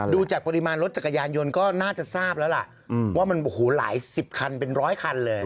ดูจากปริมาณรถจักรยานยนต์ก็น่าจะทราบแล้วล่ะว่ามันโอ้โหหลายสิบคันเป็นร้อยคันเลย